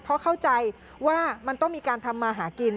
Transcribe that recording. เพราะเข้าใจว่ามันต้องมีการทำมาหากิน